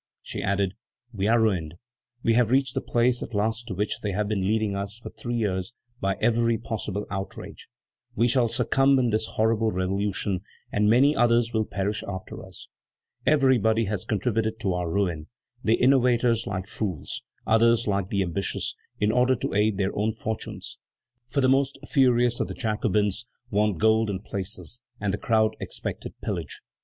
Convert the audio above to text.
She added: "We are ruined. We have reached the place at last to which they have been leading us for three years by every possible outrage; we shall succumb in this horrible revolution, and many others will perish after us. Everybody has contributed to our ruin: the innovators like fools, others like the ambitious, in order to aid their own fortunes; for the most furious of the Jacobins wanted gold and places, and the crowd expected pillage.